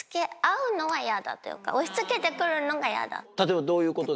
例えばどういうことで？